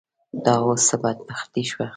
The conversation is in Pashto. دا اوس څه بدبختي شوه.